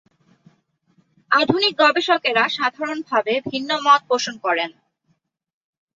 আধুনিক গবেষকেরা সাধারণভাবে ভিন্নমত পোষণ করেন।